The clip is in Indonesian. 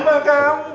haru kangen sama kamu